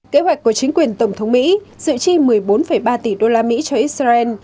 kế hoạch của chính quyền tổng thống mỹ dự trì một mươi bốn ba tỷ đô la mỹ cho israel